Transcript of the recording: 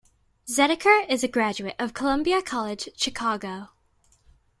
Zediker is a graduate of Columbia College Chicago.